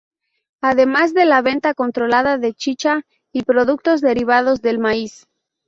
Además de la venta controlada de chicha y productos derivados del maíz.